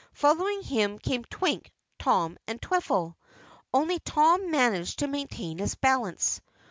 Following him came Twink, Tom and Twiffle. Only Tom managed to maintain his balance.